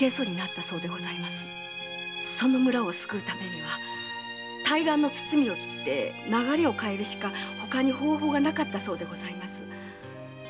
その村を救うためには対岸の堤を切って流れを変えるしかほかに方法がなかったそうです。